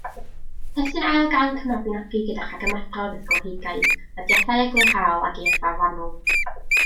Testun ail gainc y Mabinogi gyda rhagymadrodd ysgolheigaidd, nodiadau eglurhaol a geirfa fanwl.